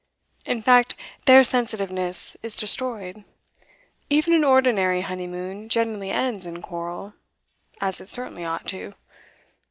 In fact, their sensitiveness is destroyed. Even an ordinary honeymoon generally ends in quarrel as it certainly ought to.